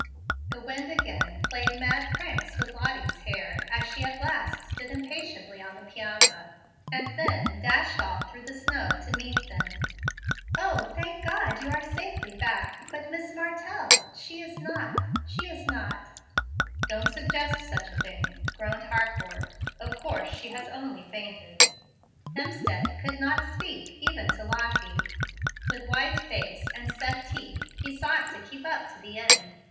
The wind again played mad pranks with Lottie's hair as she at last stood impatiently on the piazza, and then dashed off through the snow to meet them. "O, thank God, you are safely back. But Miss Martell she is not she is not " "Don't suggest such a thing," groaned Harcourt. "Of course she has only fainted." Hemstead could not speak, even to Lottie. With white face and set teeth he sought to keep up to the end.